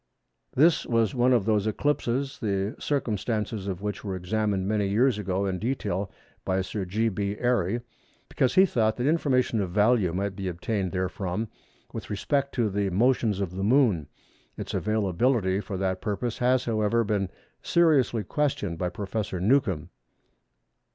This was one of those eclipses, the circumstances of which were examined many years ago in detail by Sir G. B. Airy, because he thought that information of value might be obtained therefrom with respect to the motions of the Moon. Its availability for that purpose has, however, been seriously questioned by Professor Newcomb.